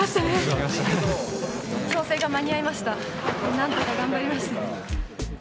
なんとか頑張りましたね。